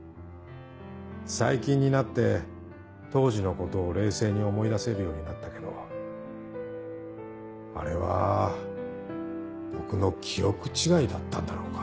最近になって当時のことを冷静に思い出せるようになったけどあれは僕の記憶違いだったんだろうか。